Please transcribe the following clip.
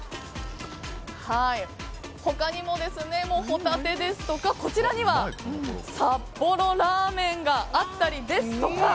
他にも、ホタテですとかこちらには札幌ラーメンがあったりですとか